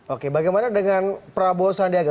oke bagaimana dengan prabowo sandiaga